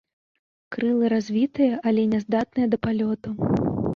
Крылы развітыя, але няздатныя да палёту.